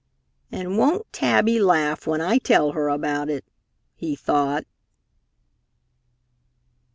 "And won't Tabby laugh when I tell her about it?" he thought.